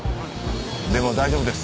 でも大丈夫です。